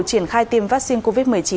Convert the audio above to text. triển khai tiêm vaccine covid một mươi chín